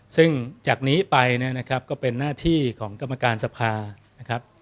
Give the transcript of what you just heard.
ซึ่งจากนี้ไปก็เป็นหน้าที่ของกรรมการทรัพย์